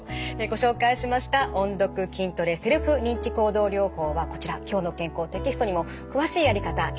ご紹介しました音読筋トレセルフ認知行動療法はこちら「きょうの健康」テキストにも詳しいやり方掲載されています。